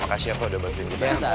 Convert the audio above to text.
makasih ya pak udah bantuin kita